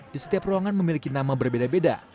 di setiap ruangan memiliki nama berbeda beda